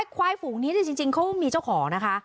ควายฝูงนี้จริงเขามีเจ้าของนะคะ